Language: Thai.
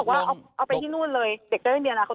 เขาบอกว่าเอาไปที่นู่นเลยเด็กจะเล่นเมียนาเขา